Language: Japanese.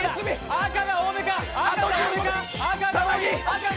赤が多めか。